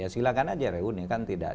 silahkan aja reuni kan tidak